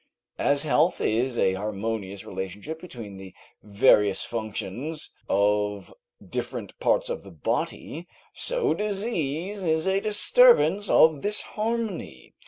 As health is a harmonious relationship between the various functions of different parts of the body, so disease is a disturbance of this harmony.